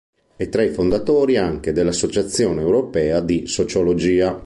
È tra i fondatori anche dell'Associazione Europea di Sociologia.